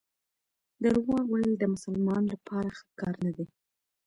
درواغ ویل د مسلمان لپاره ښه کار نه دی.